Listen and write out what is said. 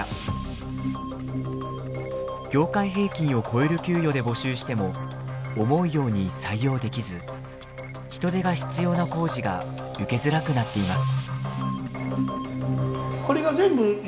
業界平均を超える給与で募集しても思うように採用できず人手が必要な工事が受けづらくなっています。